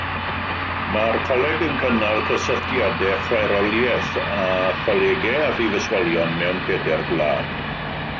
Mae'r coleg yn cynnal cysylltiadau chwaeroliaeth â cholegau a phrifysgolion mewn pedair gwlad.